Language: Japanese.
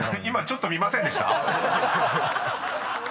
［今ちょっと見ませんでした⁉］